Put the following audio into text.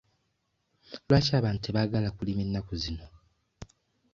Lwaki abantu tebaagala kulima ennaku zino?